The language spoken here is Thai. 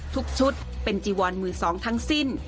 ทุกชุดเป็นจีวอนมือสองทั้งสิ้น